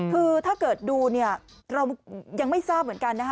คือถ้าเกิดดูเรายังไม่ทราบเหมือนกัน